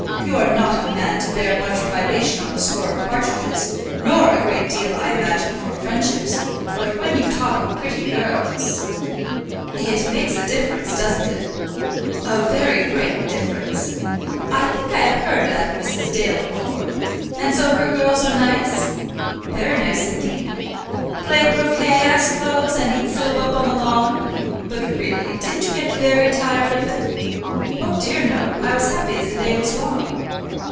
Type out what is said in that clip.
You are not a man to bear much privation on the score of partridges, nor a great deal, I imagine, for friendship. But when you talk of pretty girls " "It makes a difference, doesn't it?" "A very great difference. I think I have heard of that Mrs. Dale before. And so her girls are nice?" "Very nice indeed." "Play croquet, I suppose, and eat syllabub on the lawn? But, really, didn't you get very tired of it?" "Oh dear, no. I was happy as the day was long."